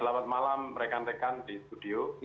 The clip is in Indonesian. selamat malam rekan rekan di studio